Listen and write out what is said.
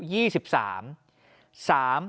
๓ไนโจเสี่ยงเฟย์อายุ๒๓